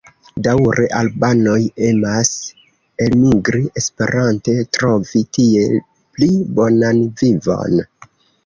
Daŭre albanoj emas elmigri esperante trovi tie pli bonan vivon.